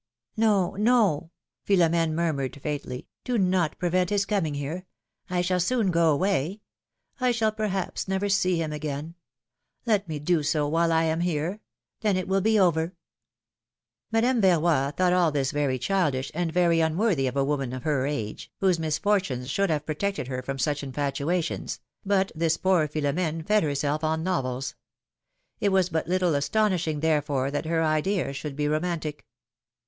'^ '^No, no,^^ Philom^ne murmured faintly, do not pre vent his coming here; I shall soon go away; I shall perhaps never see him again; let me do so while I am here : then it will be over ! Madame Verroy thought all this very childish and very unworthy of a woman of her age, whose misfortunes should have protected her from such infatuations, but this poor Philom^ne fed herself on novels; it was but little astonishing, therefore, that her ideas should be romantic.